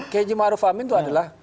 keji ma'ruf amin itu adalah